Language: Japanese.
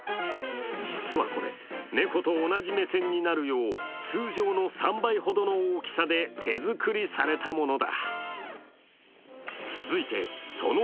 実はこれ、猫と同じ目線になるよう通常の３倍ほどの大きさで手作りされたものだ。